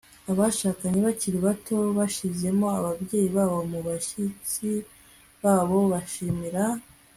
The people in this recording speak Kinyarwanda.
abashakanye bakiri bato bashyizemo ababyeyi babo mu bashyitsi babo bashimira